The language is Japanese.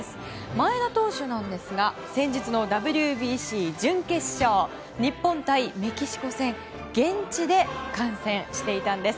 前田投手ですが先日のＷＢＣ準決勝日本対メキシコ戦現地で観戦していたんです。